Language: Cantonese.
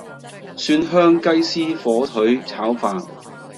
蒜香雞絲火腿炒飯